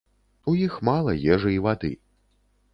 У іх мала ежы і вады.